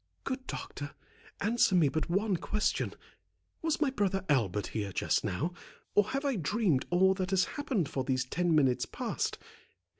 "Good doctor, answer me but one question. Was my brother Albert here just now, or have I dreamed all that has happened for these ten minutes past?